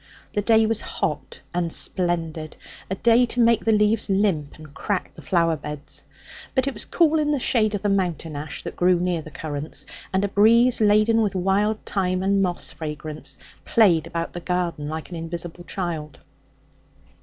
The day was hot and splendid, a day to make the leaves limp and crack the flower beds. But it was cool in the shadow of the mountain ash that grew near the currants, and a breeze laden with wild thyme and moss fragrance played about the garden like an invisible child.